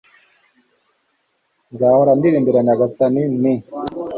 nzahora ndirimbira nyagasani, ni